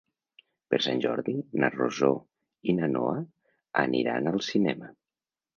Per Sant Jordi na Rosó i na Noa aniran al cinema.